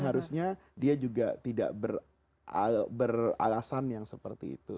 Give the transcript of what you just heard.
harusnya dia juga tidak beralasan yang seperti itu